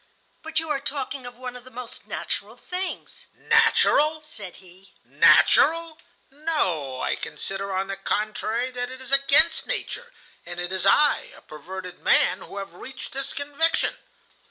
"But you are talking of one of the most natural things." "Natural!" said he. "Natural! No, I consider on the contrary that it is against nature, and it is I, a perverted man, who have reached this conviction.